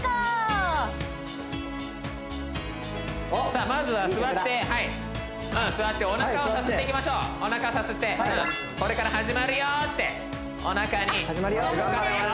さあまずは座って座ってお腹をさすっていきましょうお腹さすってこれから始まるよってお腹に動かすよって始まるよ